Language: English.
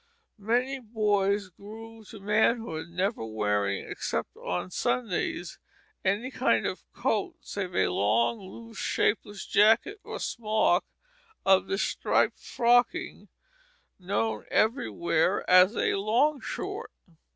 Many boys grew to manhood never wearing, except on Sundays, any kind of coat save a long, loose, shapeless jacket or smock of this striped frocking, known everywhere as a long short.